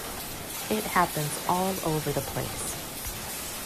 It happens all over the place.